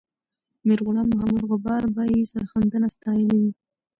میرغلام محمد غبار به یې سرښندنه ستایلې وي.